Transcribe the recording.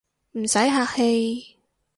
唔使客氣